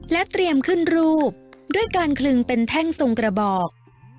เตรียมขึ้นรูปด้วยการคลึงเป็นแท่งทรงกระบอก